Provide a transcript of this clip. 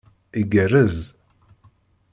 Igerrez.